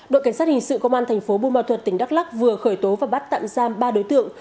đội cảnh sát hình sự công an thành phố bùa mật thuật tỉnh đắk lắc vừa khởi tố và bắt tạm giam ba đối tượng